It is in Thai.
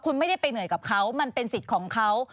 คุณไม่ได้ไปเหนื่อยกับเขามันเป็นสิทธิ์ของเขา